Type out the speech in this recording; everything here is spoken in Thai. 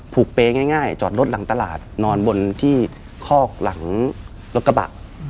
เปรย์ง่ายจอดรถหลังตลาดนอนบนที่คอกหลังรถกระบะ